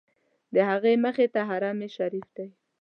د هغې مخې ته حرم شریف دی.